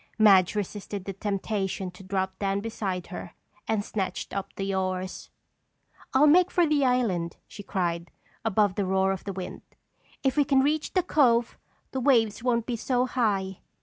Madge resisted the temptation to drop down beside her and snatched up the oars. "I'll make for the island!" she cried, above the roar of the wind. "If we can reach the cove, the waves won't be so high."